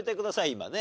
今ね。